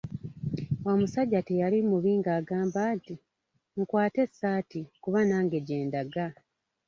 Omusajja teyali mubi ng'angamba nti, "nkwata essaati kuba nange gye ndaga."